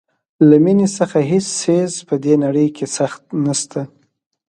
له مینې څخه هیڅ څیز په دې نړۍ کې سخت نشته.